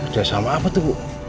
kerjasama apa tuh ibu